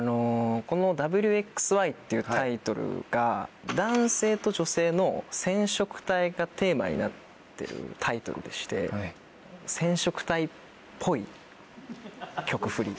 この『Ｗ／Ｘ／Ｙ』っていうタイトルが男性と女性の染色体がテーマになってるタイトルでして染色体っぽい曲フリ。